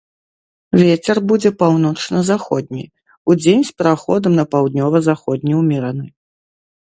Вецер будзе паўночна-заходні, удзень з пераходам на паўднёва-заходні ўмераны.